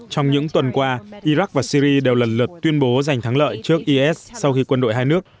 trong những tuần qua iraq và syri đều lần lượt tuyên bố giành thắng lợi trước is sau khi quân đội hai nước